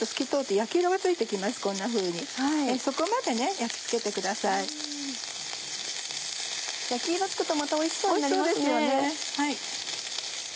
焼き色つくとまたおいしそうになりますね。